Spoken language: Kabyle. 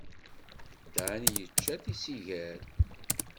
Dan yečča tisigar.